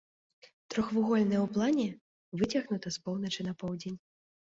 Трохвугольная ў плане, выцягнута з поўначы на поўдзень.